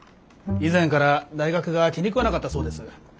以前から大学が気に食わなかったそうです。